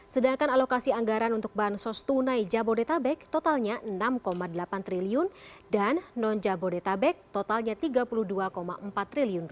sedangkan alokasi anggaran untuk bansos tunai jabodetabek totalnya rp enam delapan triliun dan non jabodetabek totalnya rp tiga puluh dua empat triliun